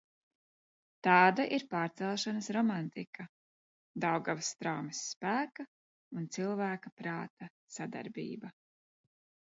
Tāda ir pārcelšanas romantika - Daugavas straumes spēka un cilvēka prāta sadarbība.